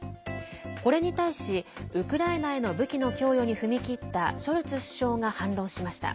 これに対し、ウクライナへの武器の供与に踏み切ったショルツ首相が反論しました。